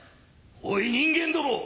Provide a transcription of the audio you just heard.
おい人間ども！